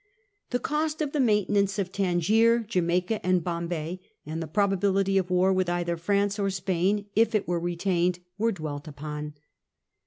The cost of the maintenance of Tangier, Jamaica, and Bombay, and the probability of war with either France or Spain if it were retained, were dwelt upon.